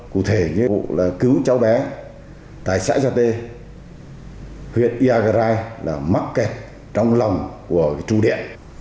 cụ thể như cứu cháu bé tại xã gia tê huyện iagrae là mắc kẹt trong lòng của trung điện